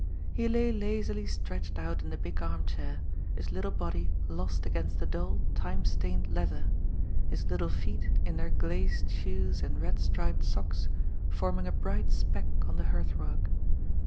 He lay lazily stretched out in the big arm chair, his little body lost against the dull time stained leather, his little feet in their glazed shoes and red striped socks forming a bright speck on the hearth rug.